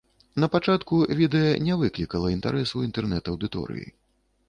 Напачатку відэа не выклікала інтарэс у інтэрнэт-аўдыторыі.